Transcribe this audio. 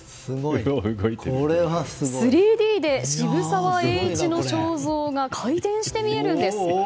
３Ｄで渋沢栄一の肖像が回転して見えるんです。